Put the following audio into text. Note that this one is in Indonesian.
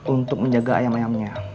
untuk menjaga ayam ayamnya